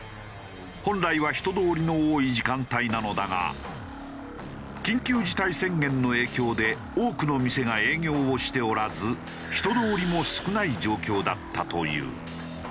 本来は人通りの多い時間帯なのだが緊急事態宣言の影響で多くの店が営業をしておらず人通りも少ない状況だったという。